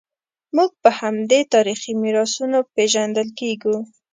موږ په همدې تاریخي میراثونو پېژندل کېږو.